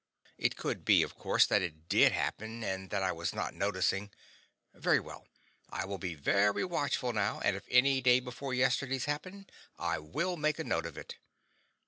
It could be, of course, that it did happen, and that I was not noticing. Very well; I will be very watchful now, and if any day before yesterdays happen I will make a note of it.